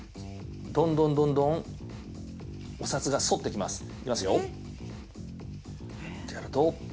どんどん、どんどん、お札が反ってきます。